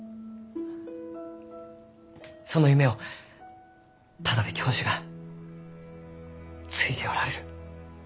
その夢を田邊教授が継いでおられる。